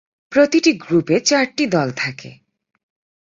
প্রতিটি গ্রুপে চারটি দল থাকে।